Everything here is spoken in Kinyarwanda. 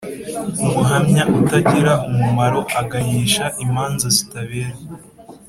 umuhamya utagira umumaro agayisha imanza zitabera